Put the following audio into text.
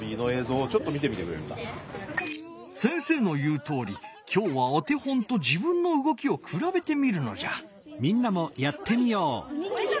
先生の言うとおりきょうはお手本と自分のうごきを比べてみるのじゃ。